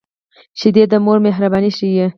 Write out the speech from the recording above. شیدې د مور مهرباني ښيي